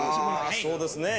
そうですね。